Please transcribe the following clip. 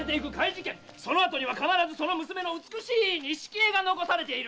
そのあとには必ずその娘の美しい錦絵が残されている！